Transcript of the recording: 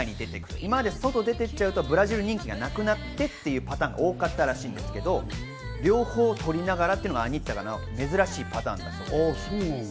今まで外に出て行くと、ブラジル人気がなくなってっていうパターンが多かったらしいんですけど、両方を取りながらというのは珍しいパターンだそうです。